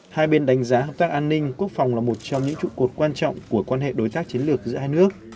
hai bên đánh giá hợp tác an ninh quốc phòng là một trong những trụ cột quan trọng của quan hệ đối tác chiến lược giữa hai nước